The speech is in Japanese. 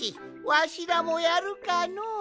わしらもやるかの。